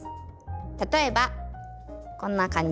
例えばこんな感じ。